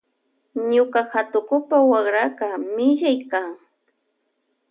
Ñuka hatukupa wakra millaykan.